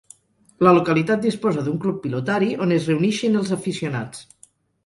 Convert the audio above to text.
La localitat disposa d'un club pilotari on es reunixen els aficionats.